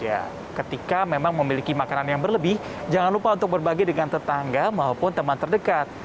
ya ketika memang memiliki makanan yang berlebih jangan lupa untuk berbagi dengan tetangga maupun teman terdekat